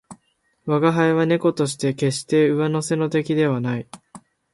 吾輩は猫として決して上乗の出来ではない